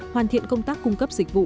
hoàn thiện công tác cung cấp dịch vụ